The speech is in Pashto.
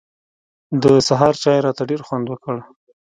د سهار چای راته ډېر خوند وکړ.